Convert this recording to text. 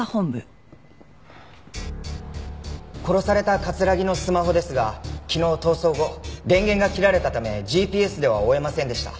殺された木のスマホですが昨日逃走後電源が切られたためＧＰＳでは追えませんでした。